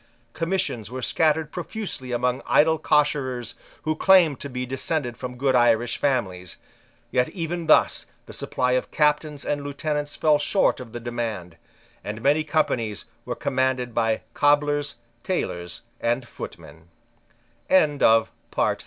Commissions were scattered profusely among idle cosherers who claimed to be descended from good Irish families. Yet even thus the supply of captains and lieutenants fell short of the demand; and many companies were commanded by cobblers, tailors and footmen, The pay